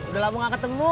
udah lama gak ketemu